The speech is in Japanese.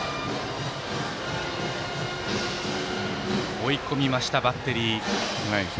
追い込みました、バッテリー。